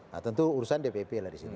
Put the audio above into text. nah tentu urusan dpp lah disini